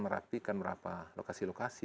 merapikan berapa lokasi lokasi